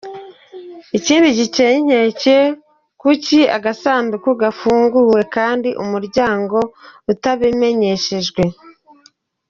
Ikindi giteye inkeke, kuki agasanduku kafunguwe kandi umuryango utabimenyeshejwe?”